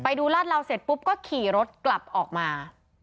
ไปดูรถเราเสร็จปุ๊บก็ขี่รถกลับออกมา